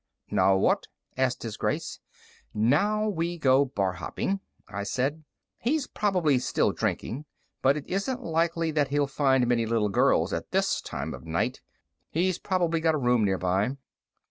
"Now what?" asked His Grace. "Now we go barhopping," I said. "He's probably still drinking, but it isn't likely that he'll find many little girls at this time of night. He's probably got a room nearby."